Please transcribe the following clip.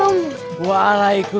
mereka sudah lama sakit